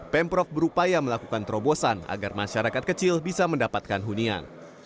pemprov berupaya melakukan terobosan agar masyarakat kecil bisa mendapatkan hunian